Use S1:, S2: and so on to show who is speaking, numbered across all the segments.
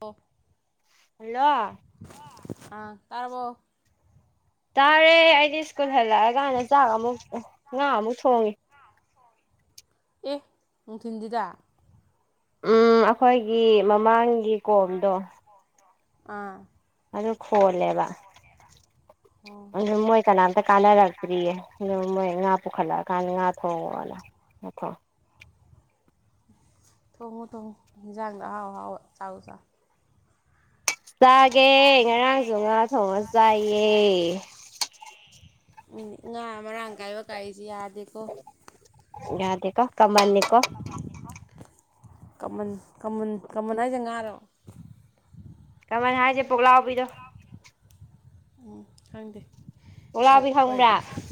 S1: ꯑꯣ
S2: ꯍꯜꯂꯣ
S1: ꯑ ꯇꯔꯕꯣ
S2: ꯇꯥꯔꯦ ꯑꯩꯗꯤ ꯁ꯭ꯀꯨꯜ ꯍꯜꯂꯛꯑꯒꯥꯟꯗ ꯆꯥꯛ ꯑꯃꯨꯛ ꯉꯥ ꯑꯃꯨꯛ ꯊꯣꯡꯉꯤ
S1: ꯑꯦ ꯅꯨꯡꯊꯤꯟꯗꯤꯗꯥ
S2: ꯎꯝ ꯑꯩꯈꯣꯏꯒꯤ ꯃꯃꯥꯡꯒꯤ ꯀꯣꯝꯗꯣ
S1: ꯑꯥ
S2: ꯑꯗꯨ ꯈꯣꯜꯂꯦꯕ
S1: ꯑꯣ
S2: ꯃꯣꯏ ꯀꯅꯥꯝꯇ ꯀꯥꯅꯔꯥꯛꯇ꯭ꯔꯤꯌꯦ ꯄꯨꯈꯠꯂꯛꯑꯀꯥꯟꯗ ꯉꯥ ꯊꯣꯡꯑꯣ ꯉꯥꯊꯣꯛ
S1: ꯊꯣꯡꯉꯨ ꯊꯣꯡꯉꯨ ꯌꯦꯟꯖꯥꯡꯗꯣ ꯑꯍꯥꯎ ꯑꯍꯥꯎꯕ ꯆꯥꯎ ꯆꯥꯎ
S2: ꯆꯥꯒꯦ ꯉꯔꯥꯡꯁꯨ ꯉꯥ ꯊꯣꯡꯉ ꯆꯥꯏꯌꯦ
S1: ꯎꯝ ꯉꯥ ꯃꯔꯥꯡ ꯀꯥꯏꯕ ꯀꯥꯏꯁꯤ ꯌꯥꯗꯦꯀꯣ
S2: ꯅꯠꯇꯦ ꯀꯃꯜꯅꯤ ꯀꯣ
S1: ꯀꯃꯟ ꯀꯃꯟ ꯀꯃꯟ ꯍꯥꯏꯁꯦ ꯉꯥꯔꯣ
S2: ꯀꯃꯥꯜ ꯍꯥꯏꯁꯦ ꯄꯨꯛꯂꯥꯎꯕꯤꯗꯣ
S1: ꯎꯝ ꯈꯪꯗꯦ ꯍꯣꯏ
S2: ꯄꯨꯛꯂꯥꯎꯕꯤ
S1: ꯑꯣꯏꯔꯗꯤ
S2: ꯈꯪꯕ꯭ꯔꯥ
S1: ꯐꯔꯦ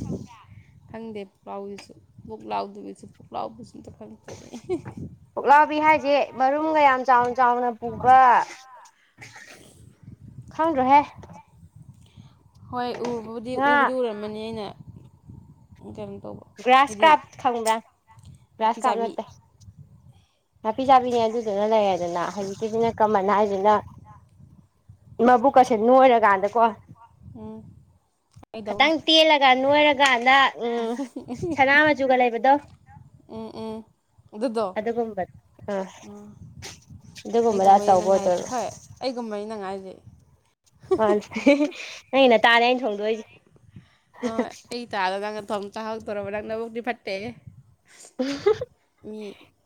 S1: ꯈꯪꯗꯦ ꯄꯨꯛꯂꯥꯎꯕꯤꯁꯨ ꯄꯨꯛ ꯂꯥꯎꯗꯕꯁꯨ ꯄꯨꯛ ꯂꯥꯎꯕꯁꯨ ꯑꯝꯇ ꯈꯪꯗꯦ
S2: ꯄꯨꯛꯂꯥꯎꯕꯤ ꯍꯥꯏꯁꯦ ꯃꯔꯨꯝꯒ ꯌꯥꯝ ꯆꯥꯎꯅ ꯆꯥꯎꯅ ꯄꯨꯕ ꯈꯪꯗ꯭ꯔꯣꯍꯦ
S1: ꯍꯣꯏ ꯎꯕꯕꯨꯗꯤ
S2: ꯉꯥ
S1: ꯎꯕꯨꯗꯤ ꯎꯔꯝꯃꯅꯤ ꯑꯩꯅ ꯀꯩꯅꯣ ꯇꯧꯕ
S2: ꯒ꯭ꯔꯥꯁ
S1: ꯍꯥꯏꯗꯤ
S2: ꯀꯥꯞ ꯈꯪꯕ꯭ꯔꯥ
S1: ꯅꯥꯄꯤ
S2: ꯒ꯭ꯔꯥꯁ ꯀꯥꯞ
S1: ꯆꯥꯕꯤ
S2: ꯅꯠꯇꯦ ꯅꯥꯄꯤ ꯆꯥꯕꯤꯅꯦ ꯑꯗꯨꯗꯨꯅ ꯂꯩꯔꯦꯗꯅ ꯍꯧꯖꯤꯛꯀꯤꯁꯤꯅ ꯀꯃꯟ ꯍꯥꯏꯁꯤꯅ ꯃꯕꯨꯛꯀꯁꯦ ꯅꯣꯏꯔꯀꯥꯟꯗ ꯀꯣ
S1: ꯎꯝ ꯀꯩꯗꯧꯉꯥ
S2: ꯈꯤꯇꯪ ꯇꯦꯜꯂꯒ ꯅꯣꯏꯔꯀꯥꯟꯗ ꯎꯝ ꯁꯅꯥ ꯃꯆꯨꯒ ꯂꯩꯕꯗꯣ
S1: ꯎꯝ ꯎꯝ ꯑꯗꯨꯗꯣ
S2: ꯑꯗꯨꯒꯨꯝꯕ ꯑ
S1: ꯎꯝ
S2: ꯑꯗꯨꯒꯨꯝꯕꯗ ꯑꯆꯧꯕ ꯑꯣꯏꯗꯣꯏꯕ
S1: ꯌꯦ ꯑꯩꯒꯨꯝꯕꯅꯤ ꯅꯪ ꯍꯥꯢꯁꯤ
S2: ꯃꯥꯅꯦ ꯅꯪꯒꯤ ꯅꯇꯥꯅꯦ ꯑꯩꯅ ꯊꯣꯡꯗꯣꯏꯁꯦ
S1: ꯍꯣꯢ ꯑꯩ ꯢꯇꯥꯗꯣ ꯅꯪꯅ ꯊꯣꯛꯑꯒ ꯆꯥꯊꯣꯛꯇꯧꯔꯕ ꯅꯪ ꯅꯕꯨꯛꯗꯤ ꯐꯠꯇꯦꯍꯦ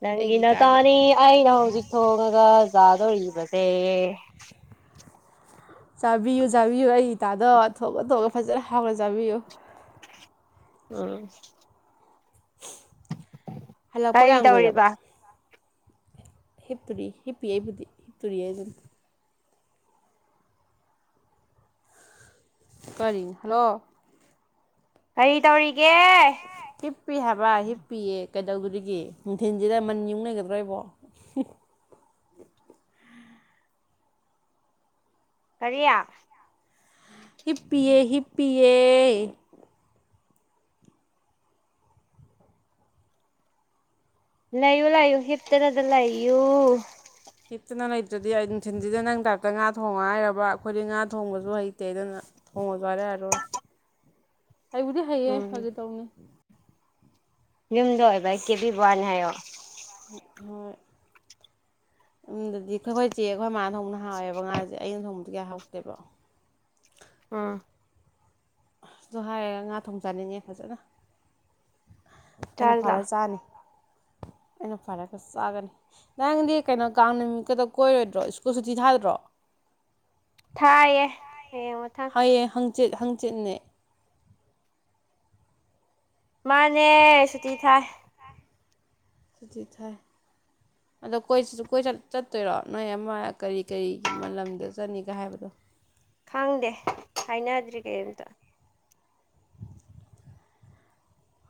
S2: ꯅꯪꯒꯤ
S1: ꯑꯩꯒꯤ ꯏꯇꯥꯗꯣ
S2: ꯅꯇꯥꯅꯤ ꯑꯩꯅ ꯍꯧꯖꯤꯛ ꯊꯣꯡꯉꯒ ꯆꯥꯗꯧꯔꯤꯕꯁꯦ
S1: ꯆꯥꯕꯤꯌꯨ ꯆꯥꯕꯤꯌꯨ ꯑꯩ ꯏꯇꯥꯗꯣ ꯊꯣꯛꯂ ꯊꯣꯛꯂ ꯐꯖꯅ ꯍꯥꯎꯅ ꯆꯥꯕꯤꯌꯨ
S2: ꯎꯝ
S1: ꯍꯜꯂꯛꯄ
S2: ꯀꯔꯤ
S1: ꯀꯌꯥꯝ ꯀꯨꯏꯔꯕ
S2: ꯇꯧꯔꯤꯕ
S1: ꯍꯤꯞꯕꯨꯗꯤ ꯍꯤꯞꯄꯤꯌꯦ ꯑꯩꯕꯨꯗꯤ ꯀꯨꯢꯔꯦ ꯑꯗꯨꯝ ꯀꯔꯤ ꯍꯜꯂꯣ
S2: ꯀꯔꯤ ꯇꯧꯔꯤꯒꯦ
S1: ꯍꯤꯞꯄꯤ ꯍꯥꯏꯕ ꯍꯤꯞꯄꯤꯌꯦ ꯀꯩꯗꯧꯗꯔꯤꯒꯦ ꯅꯨꯡꯊꯤꯟꯁꯤꯗ ꯃꯟ ꯌꯨꯡꯉꯒ ꯂꯩꯒꯗꯔꯣ ꯑꯩꯕꯨ
S2: ꯀꯔꯤ
S1: ꯍꯤꯞꯄꯤꯌꯦ ꯍꯤꯞꯄꯤꯌꯦ
S2: ꯂꯩꯥꯌꯨ ꯂꯩꯌꯨ ꯍꯤꯞꯇꯅꯗ ꯂꯩꯥꯌꯨ
S1: ꯍꯤꯞꯇꯅ ꯂꯩꯇ꯭ꯔꯗꯤ ꯑꯩ ꯅꯨꯡꯊꯤꯟꯁꯤꯗ ꯅꯪ ꯗꯥꯛꯇ ꯉꯥ ꯊꯣꯡꯉ ꯍꯥꯏꯩꯔꯕ ꯑꯩꯈꯣꯏꯗꯤ ꯉꯥ ꯊꯣꯡꯕꯁꯨ ꯍꯩꯇꯦ ꯑꯗꯨꯅ ꯊꯣꯡꯉꯣꯁꯨ ꯍꯥꯏꯔꯛꯑꯔꯣꯏ
S2: [unintelligible]
S1: ꯑꯩꯕꯨꯗꯤ ꯍꯩꯌꯦ
S2: ꯎꯝ
S1: ꯍꯧꯖꯤ ꯇꯧꯅꯤ
S2: ꯌꯨꯝꯗ ꯑꯣꯏꯕ ꯀꯦ ꯕꯤ ꯋꯥꯕꯥꯅꯤ ꯍꯥꯏꯌꯣ
S1: ꯍꯣꯏ ꯎꯗꯗꯤ ꯑꯩꯈꯣꯏ ꯑꯩꯈꯣꯏ ꯆꯦꯈꯣꯏ ꯃꯥꯅ ꯊꯧꯅ ꯑꯍꯥꯎꯋꯦꯕ ꯉꯥꯁꯦ ꯑꯩꯅ ꯁꯣꯡꯕꯗ ꯀꯌꯥ ꯍꯧꯥꯎꯇꯦꯕ
S2: ꯑꯝ
S1: ꯑꯗꯨ ꯍꯥꯏꯔꯒ ꯉꯥ ꯊꯣꯡ ꯆꯥꯅꯤꯡꯉꯦ ꯐꯖꯅ ꯑꯩꯅ
S2: ꯆꯥꯔꯖꯤ
S1: ꯐꯔ
S2: ꯂꯥꯎ
S1: ꯆꯥꯅꯤ ꯑꯩꯅ ꯐꯔꯒ ꯆꯥꯒꯅꯤ ꯅꯪꯗꯤ ꯀꯩꯅꯣ ꯀꯥꯡ ꯅꯨꯃꯤꯠꯀꯗ ꯀꯣꯏꯔꯣꯏꯗ꯭ꯔꯣ ꯁ꯭ꯀꯨꯜ ꯁꯨꯇꯤ ꯊꯥꯗ꯭ꯔꯣ
S2: ꯊꯥꯌꯦ ꯍꯌꯦꯡ ꯃꯊꯪ
S1: ꯍꯌꯦꯡ ꯍꯪꯆꯤꯠ ꯍꯪꯆꯤꯠꯅꯦ
S2: ꯃꯥꯅꯦ ꯁꯨꯇꯤ ꯊꯥꯏ
S1: ꯁꯨꯇꯤ ꯊꯥꯏ
S2: [inaudible]
S1: ꯑꯗꯣ ꯀꯣꯏ ꯀꯣꯏ ꯆꯠ ꯆꯠꯇꯣꯏꯔꯣ ꯅꯣꯏ ꯑꯃ ꯀꯔꯤ ꯀꯔꯤꯒꯤ ꯂꯝꯗ ꯆꯠꯅꯤꯒ ꯍꯥꯏꯕꯗꯣ꯫
S2: ꯈꯪꯗꯦ ꯍꯥꯏꯅꯗ꯭ꯔꯤ ꯀꯔꯤꯝꯇ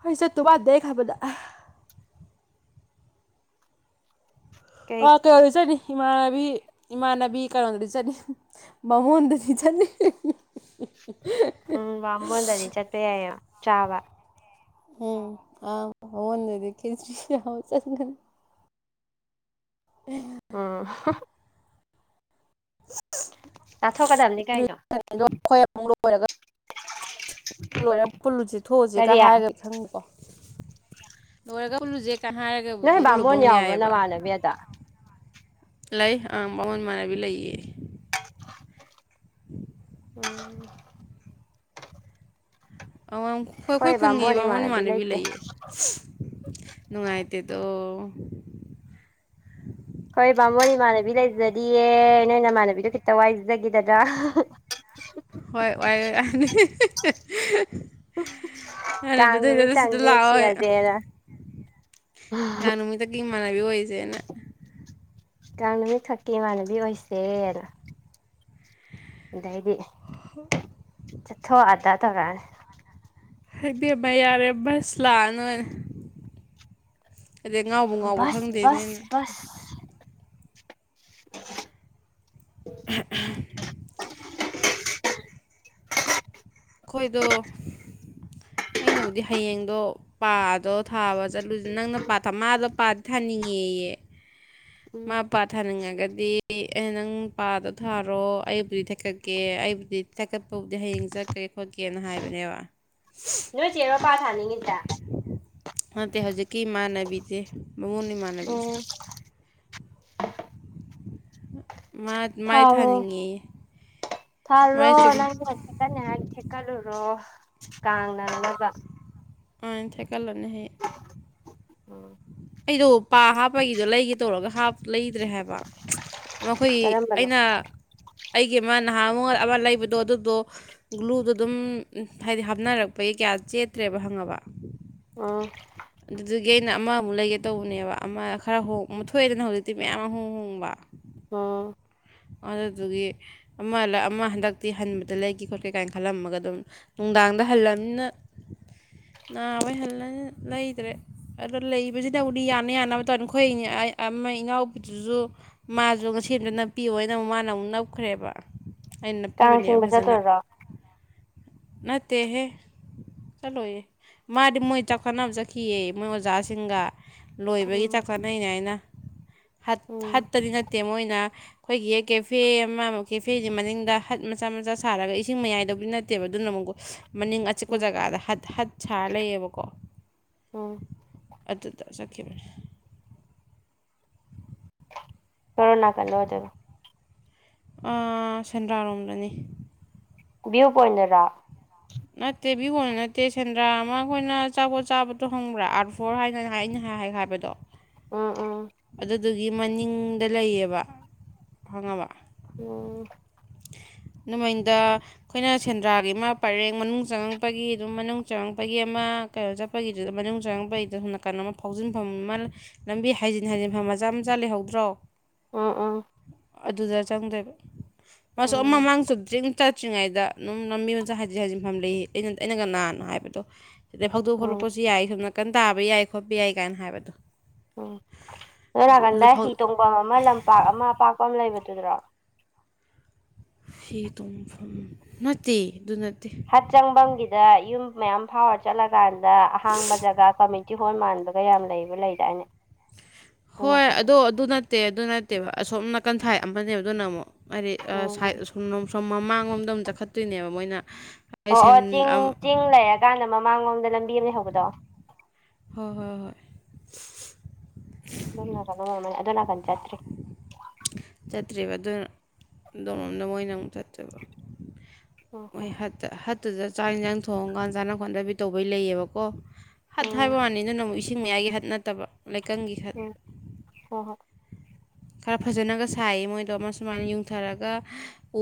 S1: ꯍꯣꯏ ꯆꯠꯇꯧ ꯃꯟꯗꯦ ꯑꯩ ꯈꯟꯕꯗ
S2: ꯀꯩ
S1: ꯀꯩꯅꯣ ꯆꯠꯅꯤ ꯏꯃꯥꯟꯅꯕꯤ ꯏꯃꯥꯟꯅꯕꯤ ꯀꯩꯅꯣꯟꯗꯗꯤ ꯆꯠꯅꯤ ꯕꯃꯣꯟꯗꯗꯤ ꯆꯠꯅꯤ
S2: ꯎꯝ ꯕꯃꯣꯟꯗꯗꯤ ꯆꯠꯄ ꯌꯥꯏꯕ ꯆꯥꯕ
S1: ꯎꯝ ꯑꯥ ꯕꯃꯣꯟꯗꯗꯤ ꯈꯔꯦꯆꯤ ꯆꯥꯕ ꯆꯠꯅꯤ [unintelligible]
S2: ꯎꯝ
S1: [inaudible]
S2: ꯆꯥꯊꯣꯛꯒꯗꯧꯅꯤ ꯀꯩꯅꯣ꯫
S1: [unintelligible] ꯂꯣꯏꯔ ꯄꯨꯨꯜꯂꯨꯁꯦ ꯊꯣꯛꯎꯁꯤꯒ
S2: ꯀꯔꯤ
S1: ꯍꯥꯏꯔꯒ ꯈꯪꯕꯀꯣ ꯂꯣꯏꯔꯒ ꯄꯨꯜꯂꯨꯁꯦ ꯀ
S2: ꯅꯣꯏ
S1: ꯍꯥꯏꯔꯒꯕꯨꯗꯤ ꯄꯨꯜꯂꯨꯕ
S2: ꯕꯥꯃꯣꯟ ꯌꯥꯎꯕ꯭ꯔꯣ
S1: ꯌꯥꯏꯑꯦꯕ꯫
S2: [unintelligible]
S1: ꯂꯩ ꯑꯥ ꯃꯉꯣꯟꯗ ꯃꯥꯟꯅꯕꯤ ꯂꯩꯌꯦ
S2: ꯎꯝ
S1: ꯑꯩꯈꯣꯏ ꯑꯩꯈꯣꯏ
S2: ꯈꯣꯏ ꯕꯥꯃꯣꯟ
S1: ꯈꯨꯟꯒꯤꯕ ꯕꯃꯣꯟ ꯏꯃꯥꯟꯅꯕꯤ
S2: ꯂꯩꯇꯦ
S1: ꯂꯩꯌꯦ꯫ ꯅꯨꯡꯉꯥꯏꯇꯦꯗꯣ
S2: ꯈꯣꯏ ꯕꯥꯃꯣꯟ ꯏꯃꯥꯟꯅꯕꯤ ꯂꯩꯖꯗꯤꯌꯦ ꯅꯣꯏ ꯏꯃꯥꯟꯅꯕꯤꯗꯣ ꯈꯤꯇ ꯋꯥꯏꯖꯒꯦꯗꯅ
S1: ꯍꯣꯏ ꯋꯥꯏꯌꯣ ꯌꯥꯅꯤ
S2: ꯀꯥꯡ
S1: ꯑꯗꯨꯗ ꯁꯤꯗ
S2: ꯅꯨꯃꯤꯠꯇꯪꯒꯤ
S1: ꯂꯥꯛꯑꯣꯏ
S2: ꯅꯨꯡꯁꯤꯅꯖꯦꯅ
S1: ꯀꯥꯡ ꯅꯨꯃꯤꯠꯇ ꯒꯤ ꯃꯥꯟꯕꯤ ꯑꯣꯏꯁꯦꯅ
S2: ꯀꯥꯡꯡ ꯅꯨꯃꯤꯠ ꯈꯛꯀꯤ ꯏꯃꯥꯟꯅꯕꯤ ꯑꯣꯏꯁꯦꯅ ꯑꯗꯩꯗꯤ
S1: [inaudible]
S2: ꯆꯊꯣꯛ ꯑꯗ ꯇꯧꯔꯛꯑꯅꯤ
S1: ꯍꯥꯏꯕꯦꯝꯃ ꯌꯥꯔꯦ ꯕꯁ ꯂꯥꯛꯑꯅꯣꯏꯅꯦ ꯑꯗꯩ ꯉꯥꯎꯕꯨ ꯉꯥꯎꯕ꯭ꯔꯥ ꯈꯪꯗꯦꯅꯦꯅ꯫
S2: ꯑꯁ
S1: ꯎꯝ ꯎꯝ ꯑꯩꯈꯣꯏꯗꯣ ꯑꯩꯅꯕꯨꯗꯤ ꯍꯌꯦꯡꯗꯣ ꯄꯥꯗꯣ ꯊꯥꯕ ꯆꯠꯂꯨꯁꯤ ꯅꯪꯅ ꯄꯥ ꯊꯥ ꯃꯥꯗꯣ ꯄꯥꯗꯤ ꯊꯥꯅꯤꯡꯉꯦꯌꯦ
S2: ꯎꯝ
S1: ꯃꯥ ꯄꯥ ꯊꯥꯅꯤꯡꯉꯒꯗꯤ ꯑꯩꯅ ꯅꯪ ꯄꯥꯗꯣ ꯊꯥꯔꯣ ꯑꯩꯕꯨꯗꯤ ꯊꯦꯛꯀꯠꯀꯦ ꯑꯩꯕꯨꯗꯤ ꯊꯦꯀꯠꯄꯕꯨꯗꯤ ꯍꯌꯦꯡ ꯆꯠꯀꯔꯦ ꯈꯣꯠꯀꯦꯅ ꯍꯥꯏꯕꯅꯦꯕ
S2: ꯅꯣꯏ ꯆꯦꯔꯣ ꯄꯥ ꯊꯥꯅꯤꯡꯉꯤꯖꯦ
S1: ꯅꯠꯇꯦ ꯍꯧꯖꯤꯛꯀꯤ ꯏꯃꯥꯟꯅꯕꯤꯖꯦ ꯕꯃꯣꯟ ꯏꯃꯥꯟꯅꯕꯖꯦ
S2: [inaudible]
S1: ꯃꯥ ꯃꯥꯏ
S2: ꯊꯥꯔꯣ
S1: ꯊꯥꯅꯤꯡꯉꯦꯌꯦ ꯃꯥꯏ
S2: ꯊꯥꯔꯨꯔꯣ
S1: ꯆꯨꯝ
S2: ꯅꯪ ꯀꯟꯅ ꯍꯥꯏꯗꯤ ꯊꯦꯛꯀꯠꯂꯨꯔꯣ ꯀꯥꯡ ꯅꯪꯅꯕ
S1: ꯑ ꯊꯦꯀꯠꯂꯨꯅꯤ ꯍꯥꯌꯦꯡ꯫
S2: ꯎꯝ
S1: ꯑꯩꯗꯣ ꯄꯥ ꯍꯥꯞꯄꯒꯤꯗꯣ ꯂꯩꯒꯦ ꯇꯧꯔꯒ ꯂꯩꯇ꯭ꯔꯦ ꯍꯥꯏꯕ ꯃꯈꯣꯏꯒꯤ
S2: ꯀꯔꯝꯕꯅꯣ
S1: ꯑꯩꯅ ꯑꯩꯒꯤ ꯑꯃ ꯅꯍꯥ ꯑꯃ ꯑꯃ ꯂꯩꯕꯗꯣ ꯑꯗꯨꯗꯣ ꯒ꯭ꯂꯨꯗꯣ ꯑꯗꯨꯝ ꯍꯥꯏꯗꯤ ꯍꯥꯞꯅꯔꯛꯄꯒꯤ ꯀꯌꯥ ꯆꯦꯠꯇ꯭ꯔꯦꯕ ꯍꯪꯉꯕ
S2: ꯑꯣ
S1: ꯑꯗꯨꯗꯨꯒꯤ ꯑꯩꯅ ꯑꯃꯃꯨꯛ ꯂꯩꯒꯦ ꯇꯧꯕꯅꯦꯕ ꯑꯃ ꯈꯔ ꯍꯣꯡ ꯊꯣꯛꯑꯦꯗꯅ ꯍꯧꯖꯤꯛꯇꯤ ꯃꯌꯥꯝ ꯑꯃ ꯍꯣꯡ ꯍꯣꯡꯕ
S2: ꯑꯣ
S1: ꯑꯗꯨꯗꯨꯗꯒꯤ ꯑꯃ ꯑꯃ ꯍꯟꯗꯛꯇꯤ ꯍꯟꯕꯗ ꯂꯩꯒꯦ ꯈꯣꯠꯀꯦ ꯀꯥꯏꯅ ꯈꯜꯂꯝꯃꯒ ꯑꯗꯨꯝ ꯅꯨꯡꯗꯥꯡꯗ ꯍꯜꯂꯝꯅꯤꯅ ꯅꯥꯕꯩ ꯍꯜꯂꯅꯤꯅ ꯂꯩꯗ꯭ꯔꯦ ꯑꯗꯣ ꯂꯩꯕꯖꯤꯗꯕꯨꯗꯤ ꯌꯥꯅ ꯌꯥꯅꯕ ꯇꯧꯔꯅꯤ ꯑꯩꯈꯣꯏ ꯏꯅꯦ ꯑꯩ ꯑ ꯑꯃ ꯏꯅꯥꯎꯄꯤꯗꯨꯁꯨ ꯃꯥꯖꯨ ꯉꯁꯤ ꯑꯝꯇ ꯅꯞꯄꯤꯑꯣꯏꯅ ꯑꯃꯨꯛ ꯃꯥꯅ ꯑꯃꯨꯛ ꯅꯞꯈ꯭ꯔꯦꯕ ꯑꯩꯅ
S2: ꯀꯥꯡ
S1: ꯅꯞꯄꯤꯕꯅꯦꯕ
S2: ꯆꯤꯡꯕ
S1: ꯐꯖꯅ
S2: ꯆꯠꯇꯣꯏꯔꯣ
S1: ꯅꯠꯇꯦꯍꯦ ꯆꯠꯂꯣꯏꯌꯦ ꯃꯥꯗꯤ ꯃꯣꯏ ꯆꯥꯛ ꯆꯥꯅꯕ ꯆꯠꯈꯤꯑꯦ ꯃꯣꯏ ꯑꯣꯖꯥꯁꯤꯡꯒ ꯂꯣꯏꯕꯒꯤ
S2: ꯎꯝ
S1: ꯆꯥꯛ ꯆꯠꯅꯩꯅꯦ ꯍꯥꯏꯅ ꯍꯠ
S2: ꯎꯝ
S1: ꯍꯠꯇꯗꯤ ꯅꯠꯇꯦ ꯃꯣꯏꯅ ꯑꯩꯈꯣꯏꯒꯤ ꯍꯦꯛ ꯀꯦꯐꯦ ꯑꯃ ꯃꯨꯛ ꯀꯦꯐꯦꯖꯤ ꯃꯅꯤꯡꯗ ꯍꯠ ꯃꯆꯥ ꯃꯆꯥ ꯁꯥꯔꯒ ꯏꯁꯤꯡ ꯃꯌꯥꯏꯗꯕꯨꯗꯤ ꯅꯠꯇꯦꯕ ꯑꯗꯨꯅ ꯑꯃꯨꯛ ꯃꯅꯤꯡ ꯑꯆꯤꯛꯄ
S2: ꯎꯝ
S1: ꯖꯒꯥꯗ ꯍꯠ ꯍꯠ ꯁꯥꯔ ꯂꯩꯌꯦꯕꯀꯣ
S2: ꯎꯝ
S1: ꯑꯗꯨꯗ ꯆꯠꯈꯤꯕꯅꯤ
S2: ꯀꯔꯣꯟ ꯅꯀꯟꯗ ꯑꯣꯏꯗꯣꯏꯕ
S1: ꯑ ꯁꯦꯟꯗ꯭ꯔꯥꯔꯣꯝꯗꯅꯤ
S2: ꯚ꯭ꯌꯨ ꯄꯣꯏꯟꯗꯔꯥ
S1: ꯅꯠꯇꯦ ꯕꯤ ꯀꯣꯟꯗ ꯅꯠꯇꯦ ꯁꯦꯟꯗ꯭ꯔꯥ ꯑꯃ ꯑꯩꯈꯣꯏꯅ ꯑꯆꯥꯄꯣꯠ ꯆꯥꯕꯗꯣ ꯈꯪꯕ꯭ꯔꯥ ꯑꯥꯔ ꯐꯣꯔ ꯍꯥꯏꯅ ꯅꯍꯥꯟ ꯑꯩꯅ ꯍꯥꯏ ꯍꯥꯏꯕꯗꯣ
S2: ꯎꯝ ꯎꯝ
S1: ꯑꯗꯨꯗꯨꯒꯤ ꯃꯅꯤꯡꯗ ꯂꯩꯌꯦꯕ ꯈꯪꯉꯕ
S2: ꯑꯣ
S1: ꯗꯨꯃꯅꯤꯡꯗ ꯑꯩꯈꯣꯏꯅ ꯁꯦꯟꯗ꯭ꯔꯥꯒꯤ ꯑꯃ ꯄꯔꯦꯡ ꯃꯅꯨꯡ ꯆꯪꯉꯛꯄꯒꯤ ꯑꯗꯨꯝ ꯃꯅꯨꯡ ꯆꯪꯉꯛꯄꯒꯤ ꯑꯃ ꯀꯩꯅꯣ ꯆꯠꯄꯒꯤꯗꯨꯗ ꯃꯅꯨꯡ ꯆꯪꯛꯉꯡꯄꯗꯣ ꯅꯥꯀꯟ ꯑꯃ ꯐꯥꯎꯖꯤꯟꯐꯝ ꯑꯃ ꯂꯝꯕꯤ ꯍꯥꯏꯖꯤꯟ ꯍꯥꯏꯖꯤꯟꯐꯝ ꯃꯆꯥ ꯃꯆꯥ ꯂꯩꯍꯧꯗ꯭ꯔꯣ
S2: ꯑꯣ ꯑꯣ
S1: ꯑꯗꯨꯗ ꯆꯪꯗꯣꯏꯕ ꯃꯥꯁꯨ ꯑꯃ
S2: ꯎꯝ
S1: ꯃꯃꯥꯡ ꯆꯨꯞꯗ꯭ꯔꯤꯡ ꯆꯠꯇ꯭ꯔꯤꯉꯩꯗ ꯑꯗꯨꯝ ꯂꯝꯕꯤ ꯃꯆꯥ ꯍꯥꯏꯖꯤꯟ ꯍꯥꯏꯖꯤꯟꯐꯝ ꯂꯩꯑꯦ ꯑꯩꯅ ꯑꯩꯅꯒ ꯅꯍꯥꯟ ꯍꯥꯏꯕꯗꯣ ꯁꯤꯗꯩ ꯐꯧꯗꯣꯛ
S2: ꯎꯝ
S1: ꯐꯥꯎꯂꯛꯄꯁꯨ ꯌꯥꯏ ꯁꯣꯝ ꯀꯟ ꯇꯥꯕ ꯌꯥꯏ ꯈꯣꯠꯄ ꯌꯥꯏ ꯀꯥꯏꯅ ꯍꯥꯏꯕꯗꯣ
S2: ꯎꯝ ꯑꯗꯣ
S1: ꯑꯗꯨ
S2: ꯅꯥꯀꯟꯗ
S1: ꯐꯥꯎ
S2: ꯍꯤ ꯇꯣꯡꯕꯝ ꯑꯃ ꯂꯝꯄꯥꯛ ꯑꯃ ꯑꯄꯥꯛꯄ ꯑꯃ ꯂꯩꯕꯗꯨꯗ꯭ꯔꯣ
S1: ꯐꯤ ꯇꯣꯡꯐꯝ ꯅꯠꯇꯦ ꯑꯗꯨ ꯅꯠꯇꯦ
S2: ꯑꯆꯪꯕꯝꯒꯤꯗ ꯌꯨꯝ ꯃꯌꯥꯝ ꯐꯥꯎꯔ ꯆꯠꯂꯀꯥꯟꯗ ꯑꯍꯥꯡꯕ ꯖꯒꯥ ꯀꯝꯃꯤꯇꯤ ꯍꯣꯝ ꯃꯥꯟꯕꯒ ꯌꯥꯝ ꯂꯩꯕ ꯂꯩꯗꯥꯏꯅꯦ ꯑꯗꯨ
S1: ꯍꯣꯏ
S2: ꯅꯥꯀꯟꯗ
S1: ꯑꯗꯣ ꯑꯗꯨ ꯅꯠꯇꯦ ꯑꯗꯨ ꯅꯠꯇꯦꯕ ꯑꯁꯣꯝ ꯅꯥꯀꯟꯊꯥꯏ ꯑꯃꯅꯦꯕ ꯑꯗꯨꯅ ꯑꯃꯨꯛ ꯍꯥꯏꯗꯤ ꯑ ꯁꯥꯏꯠ
S2: ꯎꯝ
S1: ꯑꯁꯣꯝꯂꯣꯝ ꯁꯣꯝ ꯃꯃꯥꯡꯂꯣꯝꯗ ꯑꯃ ꯆꯠꯈꯠꯇꯣꯏꯅꯦꯕ ꯃꯣꯏꯅ ꯑꯩ
S2: ꯑꯣ
S1: ꯁꯦꯟ
S2: ꯑꯣ ꯆꯤꯡ ꯆꯤꯡ ꯂꯩꯔꯀꯥꯟꯗ ꯃꯃꯥꯡꯂꯣꯝꯗ ꯂꯝꯕꯤ ꯑꯃ ꯂꯩꯍꯧꯕꯗꯣ
S1: ꯍꯣꯏ ꯍꯣꯏ ꯍꯣꯏ
S2: ꯑꯗꯣꯝ ꯅꯀꯟꯗ ꯑꯣꯏꯔꯝꯃꯅꯤ ꯑꯗꯨ ꯅꯥꯀꯟ ꯆꯠꯇ꯭ꯔꯤ
S1: ꯆꯠꯇ꯭ꯔꯦꯕ ꯑꯗꯨꯅ ꯑꯗꯣꯝꯔꯣꯝꯗ ꯃꯣꯏꯅ ꯑꯃꯨꯛ ꯆꯠꯇꯣꯏꯕ
S2: ꯎꯝ
S1: ꯃꯣꯏ ꯍꯠꯇ ꯍꯠꯇꯨꯗ ꯆꯥꯛ ꯌꯦꯟꯁꯥꯡ ꯊꯣꯡꯉꯀꯥꯟ ꯆꯥꯅ ꯈꯣꯠꯅꯕꯤ ꯇꯧꯕꯩ ꯂꯩꯌꯦꯕꯀꯣ ꯍꯠ ꯍꯥꯏꯕ
S2: ꯎꯝ
S1: ꯋꯥꯅꯤ ꯑꯗꯨꯅ ꯑꯃꯨꯛ ꯏꯁꯤꯡ ꯃꯌꯥꯏꯒꯤ ꯍꯠ ꯅꯠꯇꯕ ꯂꯩꯀꯪꯒꯤ ꯍꯠ
S2: ꯍꯣ ꯍꯣ
S1: ꯈꯔ ꯐꯖꯅꯒ ꯁꯥꯏꯌꯦ ꯃꯣꯏꯗꯣ ꯑꯃ ꯁꯨꯃꯥꯏꯅ ꯌꯨꯡꯊꯔꯒ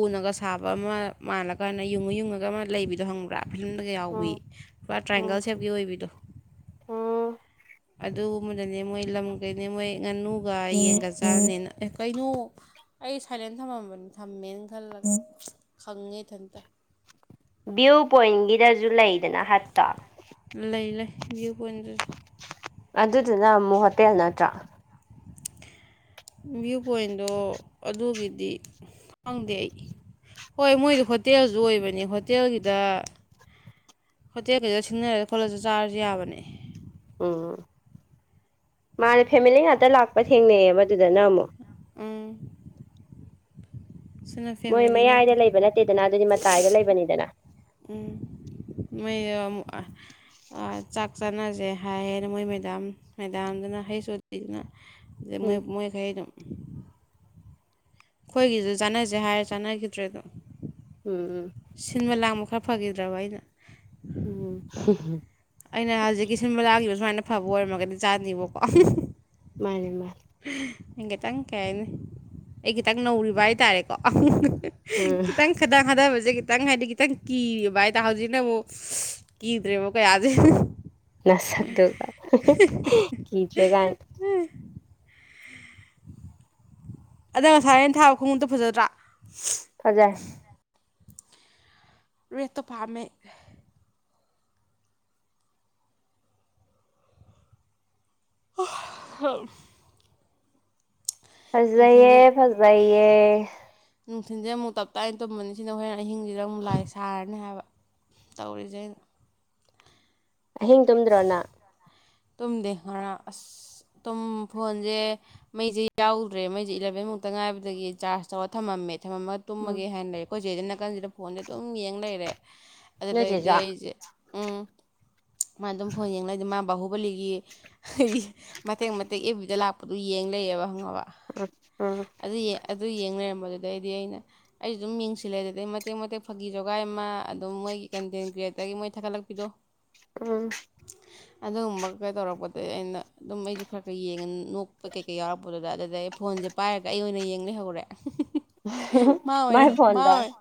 S1: ꯎꯅꯒ ꯁꯥꯕ ꯑꯃ ꯃꯥꯜꯂꯀꯥꯟꯗ ꯌꯨꯡꯉ ꯌꯨꯡꯉꯒ ꯑꯃ ꯂꯩꯕꯗꯣ ꯍꯪꯕ꯭ꯔꯥ ꯐꯤꯂꯝꯗꯒ ꯌꯥꯎꯕꯤ
S2: ꯎꯝ
S1: ꯄꯨꯔꯥ ꯇ꯭ꯔꯥꯏꯡꯒꯜ
S2: ꯎꯝ
S1: ꯁꯦꯞꯀꯤ ꯑꯣꯏꯕꯤꯗꯣ
S2: ꯎꯝ
S1: ꯑꯗꯨꯒꯨꯝꯕꯗꯅꯦ ꯃꯣꯏ ꯂꯝꯒꯩꯅꯦ ꯃꯣꯏ ꯉꯥꯅꯨꯒ ꯌꯦꯟꯒ ꯆꯥꯅꯤꯅ ꯑꯦ ꯀꯩꯅꯣ ꯑꯩ ꯁꯥꯏꯂꯦꯟ ꯊꯝꯃꯝꯕꯅꯤ ꯊꯝꯃꯦꯅ ꯈꯜꯂꯒ ꯈꯪꯉꯦ ꯏꯊꯟꯇ
S2: ꯚꯤꯌꯨ ꯄꯣꯏꯟꯒꯤꯗꯖꯨ ꯂꯩꯗꯅ ꯍꯠꯇꯣ
S1: ꯂꯩ ꯂꯩ ꯚ꯭ꯌꯨ ꯄꯣꯏꯟꯇꯁꯨ
S2: ꯑꯗꯨꯗꯨꯅ ꯑꯃꯨꯛ ꯍꯣꯇꯦꯜ ꯅꯠꯇ꯭ꯔꯥ
S1: ꯚ꯭ꯌꯨ ꯄꯣꯏꯟꯗꯣ ꯑꯗꯨꯒꯤꯗꯤ ꯈꯪꯗꯦ ꯑꯩ ꯍꯣꯏ ꯃꯣꯏꯗꯣ ꯍꯣꯇꯦꯜꯖꯨ ꯑꯣꯏꯕꯅꯦ ꯍꯣꯇꯦꯜꯒꯤꯗ ꯍꯣꯇꯦꯜ ꯒꯩꯗ ꯁꯤꯡꯅꯔꯒ ꯈꯣꯠꯂꯖꯨ ꯆꯥꯔꯖꯨ ꯌꯥꯕꯅꯦ
S2: ꯎꯝ ꯃꯥꯅꯦ ꯐꯦꯃꯤꯂꯤ ꯉꯥꯛꯇ ꯂꯥꯛꯄ ꯊꯦꯡꯅꯩ ꯌꯦꯕ ꯑꯗꯨꯗꯅ ꯑꯃꯨꯛ
S1: ꯎꯝ ꯁꯤꯅ
S2: ꯃꯣꯏ
S1: ꯐꯦꯃꯤꯂꯤ
S2: ꯃꯌꯥꯏꯗ
S1: ꯅꯠꯇꯦ
S2: ꯂꯩꯕ ꯅꯠꯇꯦꯗꯅ ꯑꯗꯨꯗꯤ ꯃꯇꯥꯏꯗ ꯂꯩꯕꯅꯤꯗꯅ
S1: ꯎꯃ [unintelligible] ꯆꯥꯛ ꯆꯥꯅꯁꯦ ꯍꯥꯏꯌꯦꯅ ꯃꯣꯏ ꯃꯦꯗꯥꯝ ꯃꯦꯗꯥꯝꯗꯨꯅ ꯍꯩꯁ. ꯑꯣ. ꯗꯤ. ꯗꯨꯅ ꯑꯗꯩ ꯃꯣꯏ
S2: ꯎꯝ
S1: ꯃꯣꯏꯒꯩ ꯑꯗꯨꯝ ꯑꯩꯈꯣꯏꯒꯤꯁꯨ ꯆꯥꯟꯅꯁꯦ ꯍꯥꯏꯔ ꯆꯥꯟꯅꯈꯤꯗ꯭ꯔꯦ ꯑꯗꯨꯝ
S2: ꯎꯝ ꯎꯝ
S1: ꯁꯤꯟꯕ ꯂꯥꯡꯕ ꯈꯔ ꯐꯈꯤꯗ꯭ꯔꯕ ꯑꯩꯅ
S2: ꯎꯝ [unintelligible]
S1: ꯑꯩꯅ ꯍꯖꯤꯛꯀꯤ ꯁꯤꯟꯕꯂꯥꯡꯉꯤꯕ ꯁꯨꯃꯥꯏꯅ ꯐꯕ ꯑꯣꯏꯔꯝꯃꯒꯗꯤ ꯆꯥꯅꯤꯕꯀꯣ
S2: ꯃꯥꯅꯦ ꯃꯥꯅꯦ
S1: ꯈꯤꯇꯪ ꯀꯩ ꯍꯥꯏꯅꯤ ꯑꯩ ꯈꯤꯇꯪ ꯅꯧꯔꯤꯕ ꯍꯥꯏꯇꯥꯔꯦꯀꯣ [unintelligible]
S2: ꯎꯝ
S1: ꯈꯤꯇꯪ ꯈꯗꯥꯡ ꯊꯥꯗꯕꯖꯦ ꯈꯤꯇꯪ ꯍꯥꯏꯗꯤ ꯈꯤꯇꯪ ꯀꯤꯔꯤꯕ ꯍꯥꯏꯇꯥꯔꯦ ꯍꯧꯖꯤꯛꯅ ꯑꯃꯨꯛ ꯀꯤꯗ꯭ꯔꯦꯕ ꯀꯌꯥꯖꯦ
S2: ꯅꯁꯛꯇꯨꯒ ꯀꯤꯗ꯭ꯔꯦ ꯀꯥꯏꯅ
S1: [unintelligible] [unintelligible] ꯑꯗꯣ ꯉꯁꯥꯏ ꯑꯩꯅ ꯊꯥꯕ ꯈꯨꯡꯎꯞꯇꯣ ꯐꯖꯗ꯭ꯔꯥ [unintelligible]
S2: ꯐꯖꯩ
S1: ꯔꯦꯠꯇꯣ ꯄꯥꯝꯃꯦ ꯑ [unintelligible]
S2: ꯐꯥꯖꯩꯌꯦ
S1: ꯅꯨꯡꯊꯤꯟꯁꯦ
S2: ꯐꯖꯩꯌꯦ
S1: ꯅꯨꯡꯊꯤꯟꯁꯦ ꯑꯃꯨꯛ ꯇꯞꯇꯥꯥꯏ ꯇꯨꯝꯃꯅꯤ ꯁꯤꯅ ꯍꯣꯔꯦꯟ ꯑꯍꯤꯡꯁꯤꯗ ꯑꯃꯨꯛ ꯂꯥꯏ ꯁꯥꯔꯅꯤ ꯍꯥꯏꯕ ꯇꯧꯔꯤꯖꯦ ꯑꯩꯅ
S2: ꯑꯍꯤꯡ ꯇꯨꯝꯗ꯭ꯔꯣ ꯅꯪ
S1: ꯇꯨꯝꯗꯦ ꯉꯔꯥꯡ ꯑꯁ ꯇꯨꯝ ꯐꯣꯟꯖꯦ ꯃꯩꯖꯦ ꯌꯥꯎꯗ꯭ꯔꯦ ꯃꯩꯖꯦ ꯏꯂꯚꯦꯟ ꯃꯨꯛꯇ ꯉꯥꯏꯕꯗꯒꯤ ꯆꯥꯔꯖ ꯇꯧꯔ ꯊꯝꯃꯝꯃꯦ ꯊꯃꯝꯃ
S2: ꯎꯝ
S1: ꯇꯨꯝꯃꯒꯦ ꯍꯥꯏꯅ ꯂꯩꯔꯦ ꯑꯩꯈꯣꯏ ꯆꯦꯖꯤꯅ ꯅꯥꯀꯟꯖꯤꯗ ꯐꯣꯟꯁꯦ ꯑꯗꯨꯝ ꯌꯦꯡ ꯂꯩꯔꯦ ꯑꯗꯨꯗꯗꯒꯤꯗꯤ
S2: ꯅꯣꯏꯆꯦꯁꯨ
S1: ꯑꯩꯁꯦ ꯎꯝ ꯃꯥ ꯑꯗꯨꯝ ꯐꯣꯟ ꯌꯦꯡꯂꯩꯗꯤ ꯃꯥ ꯕꯥꯍꯨꯕꯂꯤꯒꯤ ꯍꯥꯏꯗꯤ ꯃꯇꯦꯛ ꯃꯇꯦꯛ ꯑꯦꯐ. ꯕꯤ. ꯗ ꯂꯥꯛꯄꯗꯨ ꯌꯦꯡ ꯂꯩꯌꯦꯕ ꯈꯪꯉꯕ
S2: ꯎ ꯎꯝ
S1: ꯑꯗꯨꯌꯦ ꯑꯗꯨ ꯌꯦꯡ ꯂꯩꯔꯝꯕꯗꯨꯗꯩ ꯑꯩꯗꯤ ꯑꯩꯅ ꯑꯩꯖꯨ ꯗꯨꯝ ꯃꯤꯡ ꯁꯤꯜꯂꯦ ꯑꯗꯨꯗꯩ ꯃꯇꯦꯛ ꯃꯇꯦꯛ ꯐꯥꯒꯤ ꯖꯣꯒꯥꯏ ꯑꯃ ꯑꯗꯨꯝ ꯃꯣꯏꯒꯤ ꯀꯟꯇꯦꯟ ꯀ꯭ꯔꯤꯌꯦꯇꯔꯒꯤ ꯃꯣꯏ ꯊꯥꯒꯠꯂꯛꯄꯤꯗꯣ
S2: ꯎꯝ
S1: ꯑꯗꯨꯒꯨꯝꯕ ꯖꯣꯒꯥꯏ ꯇꯧꯔꯛꯄꯗꯩ ꯑꯩꯅ ꯑꯗꯨꯝ ꯑꯩꯖꯨ ꯈꯔ ꯈꯔ ꯌꯦꯡꯉꯦ ꯅꯣꯛꯄꯩ ꯀꯩꯀꯩ ꯌꯥꯎꯔꯛꯄꯗꯨꯗ ꯑꯗꯨꯗꯩ ꯑꯩ ꯐꯣꯟꯖꯦ ꯄꯥꯏꯔꯒ ꯑꯩ ꯑꯣꯏꯅ ꯌꯦꯡ ꯂꯩꯍꯧꯔꯦ ꯑ ꯍꯨꯡ ꯍꯨꯡ ꯍꯨꯡ
S2: ꯎꯝ
S1: ꯍꯍ ꯃꯥ ꯑꯣꯏꯅ
S2: ꯃꯥꯏ
S1: ꯃꯥ
S2: ꯐꯣꯟꯗꯣ
S1: ꯑꯣꯏꯅ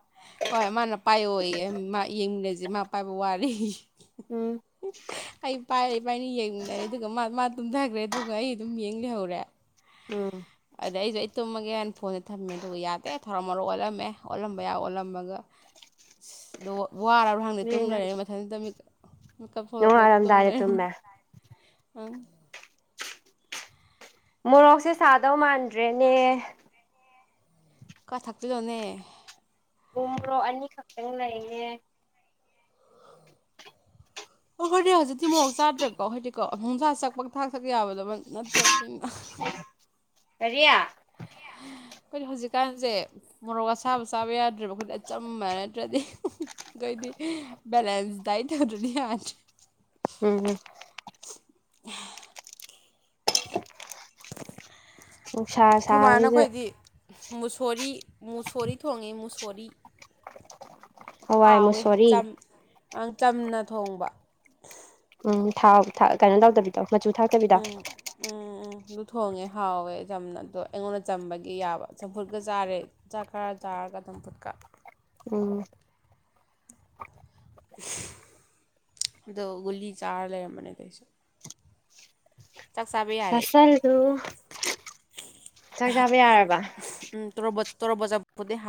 S1: ꯍꯣꯏ ꯃꯥꯅ ꯄꯥꯏꯌꯣꯌꯦ ꯃꯥ ꯌꯦꯡꯃꯤꯟꯅꯖꯦ ꯃꯥ ꯄꯥꯏꯕ ꯋꯥꯔꯦꯌꯦ
S2: ꯎꯝ
S1: ꯑꯩ ꯄꯥꯏꯔꯦ ꯏꯕꯥꯟꯅꯤ ꯌꯦꯡꯃꯤꯟꯅꯔꯦ ꯑꯗꯨꯒ ꯃꯥ ꯃꯥ ꯇꯨꯝꯊꯈ꯭ꯔꯦ ꯑꯗꯨꯒ ꯑꯩ ꯑꯗꯨꯝ ꯌꯦꯡ ꯂꯩꯍꯧꯔꯦ
S2: [unintelligible]
S1: ꯑꯗꯩ ꯑꯩꯁꯨ ꯑꯩ ꯇꯨꯝꯃꯒꯦ ꯍꯥꯏꯅ ꯐꯣꯟꯗꯖꯦ ꯊꯝꯃꯦ ꯑꯗꯨꯒ ꯌꯥꯗꯦ ꯊꯔꯣ ꯃꯥꯔꯣ ꯑꯣꯜꯂꯝꯃꯦ ꯑꯣꯜꯂꯝꯕ ꯌꯥꯕ ꯑꯣꯜꯂꯝꯃꯒ
S2: [inaudible]
S1: ꯑꯁ ꯑꯗꯣ ꯋꯥꯔꯕ꯭ꯔꯥ ꯈꯪꯗꯦ ꯇꯨꯝ ꯂꯩꯔꯦ ꯃꯊꯟ ꯇꯨꯝꯃꯤꯗꯣ ꯃꯤꯀꯞ ꯊꯣꯔꯛꯄꯗ ꯇꯨꯝ
S2: ꯅꯣꯡꯉꯥꯜꯂꯝꯗꯥꯏꯗ
S1: ꯂꯩꯔꯝꯃꯦ
S2: ꯇꯨꯝꯃꯦ
S1: ꯅꯣꯉꯥꯜꯂꯝꯗꯥꯏ ꯎꯝ
S2: ꯃꯣꯔꯣꯛꯁꯦ ꯁꯥꯗꯧ ꯃꯥꯟꯗ꯭ꯔꯦꯅꯦ
S1: ꯈ ꯊꯥꯛꯆꯤꯜꯂꯣꯅꯦ
S2: ꯎꯃꯨꯔꯣꯛ ꯑꯅꯤꯈꯛꯇꯪ ꯂꯩꯌꯦ
S1: ꯑꯈꯣꯏꯗꯤ ꯍꯧꯖꯤꯛꯇꯤ ꯃꯣꯔꯣꯛ ꯆꯥꯗ꯭ꯔꯦꯀꯣ ꯍꯥꯏꯗꯤꯀꯣ ꯑꯃꯣꯡꯁꯥ ꯆꯥ ꯄꯪꯊꯛ ꯊꯛ ꯌꯥꯕꯗꯕ ꯅꯠꯇ꯭ꯔꯕꯅ ꯑ ꯍ
S2: ꯀꯔꯤ
S1: ꯍꯍ ꯑꯩꯈꯣꯏꯗꯤ ꯍꯧꯖꯤꯛꯀꯥꯟꯖꯦ ꯃꯣꯔꯣꯛ ꯑꯁꯥꯕ ꯆꯥꯕ ꯌꯥꯗ꯭ꯔꯦꯕ ꯑꯩꯈꯣꯏꯗꯤ ꯑꯆꯝꯕ ꯅꯠꯇ꯭ꯔꯗꯤ ꯍꯤ ꯍꯤ ꯒꯣꯏꯗꯤ ꯍꯍ ꯕꯦꯂꯦꯟꯁ ꯗꯥꯏꯠ ꯇꯧꯗ꯭ꯔꯗꯤ ꯌꯥꯗ꯭ꯔꯦ
S2: ꯎꯝ ꯍꯨꯝ ꯅꯨꯡꯁꯥ
S1: ꯈꯣꯃꯥꯅ
S2: ꯁꯥꯕꯁꯤꯗ
S1: ꯑꯈꯣꯏꯗꯤ ꯃꯨꯁꯣꯔꯤ ꯃꯨꯁꯣꯔꯤ ꯊꯣꯡꯉꯦ ꯃꯨꯁꯣꯔꯤ
S2: ꯍꯋꯥꯏ
S1: ꯍꯥꯎꯋꯦ
S2: ꯃꯨꯁꯣꯔꯤ
S1: ꯆꯝ ꯑꯪ ꯆꯝꯅ ꯊꯣꯡꯕ
S2: ꯎꯝ ꯊꯥꯎ ꯊꯥꯛ ꯀꯩꯅꯣ ꯇꯧꯗꯕꯤꯗꯣ ꯃꯆꯨ ꯊꯥꯛꯇꯕꯤꯗꯣ
S1: ꯎꯝ ꯎꯝ ꯎꯝ ꯑꯗꯨ ꯊꯣꯡꯉꯦ ꯍꯥꯎꯋꯦ ꯆꯝꯅ ꯑꯗꯣ ꯑꯩꯉꯣꯟꯗ ꯆꯝꯕꯒꯤ ꯌꯥꯕ ꯆꯝꯐꯨꯠꯀ ꯆꯥꯔꯦ ꯆꯥꯛ ꯈꯔ ꯆꯥꯔꯒ ꯑꯗꯨꯝ ꯐꯨꯠꯀ
S2: ꯎꯝ
S1: ꯁꯍ ꯑꯗꯣ ꯒꯨꯂꯤ ꯆꯥꯔ ꯂꯩꯔꯝꯕꯅꯦ ꯑꯗꯩ ꯑꯩꯁꯨ ꯆꯥꯛ ꯆꯥꯕ ꯌꯥ
S2: ꯆꯥꯁꯜꯗꯨ ꯆꯥꯛ ꯆꯥꯕ ꯌꯥꯔꯕ
S1: ꯎꯝ ꯇ꯭ꯔꯣꯕꯣꯠ ꯇꯣꯔꯣꯕꯣꯠ ꯆꯝꯐꯨꯠ ꯗꯤ ꯍꯥꯎ